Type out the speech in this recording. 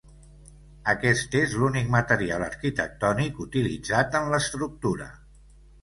Aquest és l'únic material arquitectònic utilitzat en l’estructura.